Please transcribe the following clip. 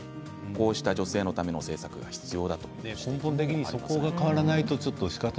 こうした女性のための施策が必要だということです。